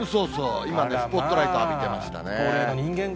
今ね、スポットライト浴びてましたね。